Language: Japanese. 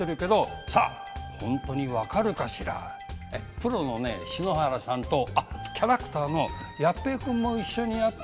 プロのね篠原さんとあっキャラクターのやっぺぇ君も一緒にやっぺ。